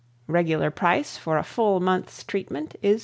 Regular price for a full month's treatment is $2.